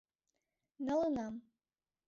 — Налынам.